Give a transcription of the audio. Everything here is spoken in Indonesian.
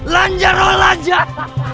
lanjar oh lanjar